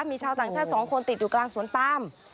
มีชาวต่างชาติ๒คนติดอยู่กลางสวนปาม